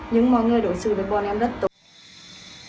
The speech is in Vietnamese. nhưng mọi người đối xử với bọn em rất tốt